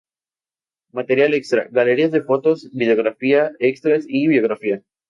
Material extra: galería de fotos, videografía, extras y biografía.